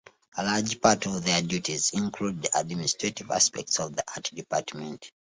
A large part of their duties include the administrative aspects of the art department.